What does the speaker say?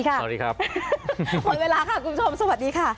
ค่ะขอบคุณครับ